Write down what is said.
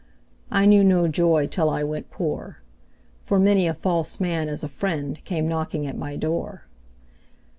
I knew no joy till I went poor; For many a false man as a friend Came knocking at my door.